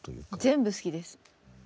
全部好きです。